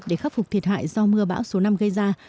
để khắc phục thiệt hại do mưa bão số năm gây ra